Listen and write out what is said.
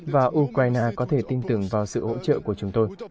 và ukraine có thể tin tưởng vào sự hỗ trợ của chúng tôi